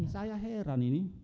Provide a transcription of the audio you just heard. saya heran ini